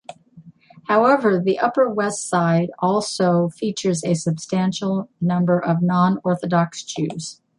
However, the Upper West Side also features a substantial number of non-Orthodox Jews.